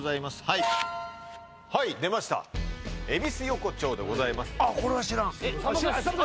はいはい出ました恵比寿横丁でございますさんまさん